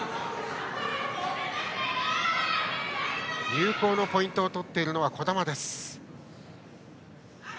有効のポイントを取っているのは児玉です。